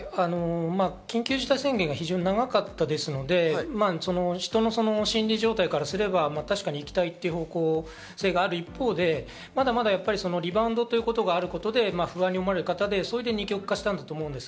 緊急事態宣言が非常に長かったですので、人の心理状態からすれば、確かに行きたいっていう方向性がある一方で、まだまだリバウンドということがあるということで不安に思われる方、それで二極化したと思います。